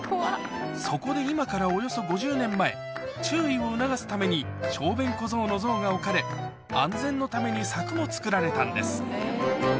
そこで今からおよそ５０年前注意を促すために小便小僧の像が置かれ安全のために柵も作られたんです